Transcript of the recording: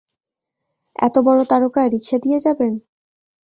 এতো বড় তারকা, রিকশা দিয়ে যাবেন?